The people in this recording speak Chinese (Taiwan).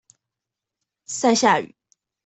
賽夏語